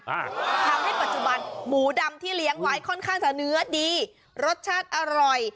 อ่าทำให้ปัจจุบันหมูดำที่เลี้ยงไว้ค่อนข้างจะเนื้อดีรสชาติอร่อย